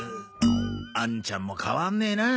兄ちゃんも変わんねえな。